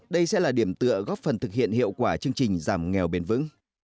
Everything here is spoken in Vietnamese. đây sẽ là điểm tựa góp phần thực hiện hiệu quả chương trình giảm nghèo bền vững